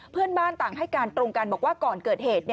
เพื่อนบ้านต่างให้การตรงกันบอกว่าก่อนเกิดเหตุ